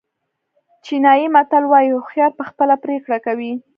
چینایي متل وایي هوښیار په خپله پرېکړه کوي.